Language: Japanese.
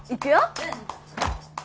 うん！